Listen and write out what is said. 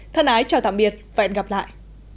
thân ái chào tạm biệt và hẹn gặp lại